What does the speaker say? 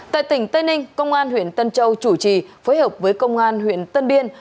tại tỉnh tây ninh công an huyện tân châu chủ trì phối hợp với công an huyện tân biên